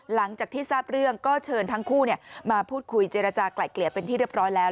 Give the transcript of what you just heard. หลังจากที่ทราบเรื่องก็เชิญทั้งคู่มาพูดคุยเจรจากลายเกลี่ยเป็นที่เรียบร้อยแล้ว